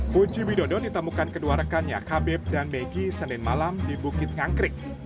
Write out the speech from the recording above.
puji widodo ditemukan kedua rekannya habib dan megi senin malam di bukit ngangkrik